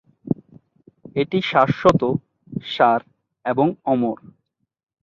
এটি শাশ্বত, সার এবং অমর।